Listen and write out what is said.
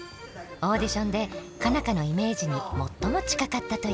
オーディションで佳奈花のイメージに最も近かったという。